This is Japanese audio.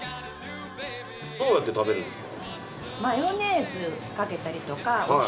どうやって食べるんですか？